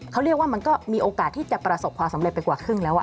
เขาเรียกว่ามันก็มีโอกาสที่จะประสบความสำเร็จไปกว่าครึ่งแล้ว